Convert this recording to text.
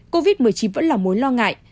covid một mươi chín vẫn là mối lo ngại